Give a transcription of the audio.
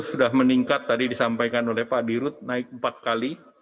sudah meningkat tadi disampaikan oleh pak dirut naik empat kali